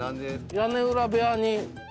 屋根裏部屋に。